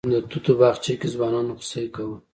د توتو باغچې کې ځوانانو خوسی کوه.